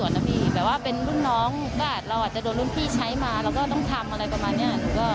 ว่าใครเป็นคนทำอะไรยังไงแล้วก็ติดตามมา